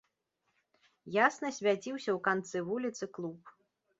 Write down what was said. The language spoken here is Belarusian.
Ясна свяціўся ў канцы вуліцы клуб.